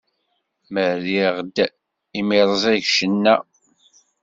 Ma rriɣ-d imirẓig, cenna!